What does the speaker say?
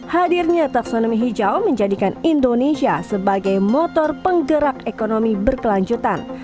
hadirnya taksonomi hijau menjadikan indonesia sebagai motor penggerak ekonomi berkelanjutan